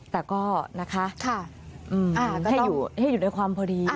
แต่ก็นะคะก็ให้อยู่ในความพอดี